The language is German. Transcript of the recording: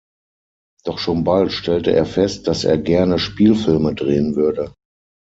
Doch schon bald stellte er fest, dass er gerne Spielfilme drehen würde.